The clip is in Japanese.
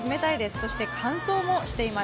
そして、乾燥もしています。